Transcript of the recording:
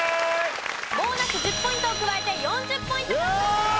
ボーナス１０ポイントを加えて４０ポイント獲得です！